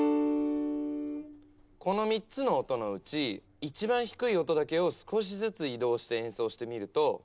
この３つの音のうち一番低い音だけを少しずつ移動して演奏してみると。